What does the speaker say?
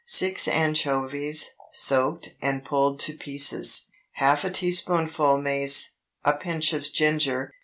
6 anchovies, soaked and pulled to pieces. Half a teaspoonful mace. A pinch of ginger.